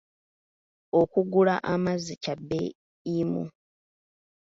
Okugula amazzi kya bbeeyimu.